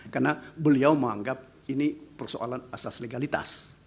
karena beliau menganggap ini persoalan asas legalitas